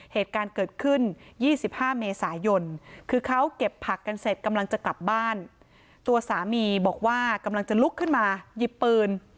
เหตุการณ์เกิดขึ้น๒๕เมษายนคือเขาเก็บผักกันเสร็จกำลังจะกลับบ้านตัวสามีบอกว่ากำลังจะลุกขึ้นมาหยิบปืน